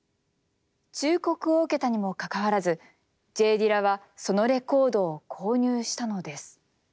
忠告を受けたにもかかわらずＪ・ディラはそのレコードを購入したのです。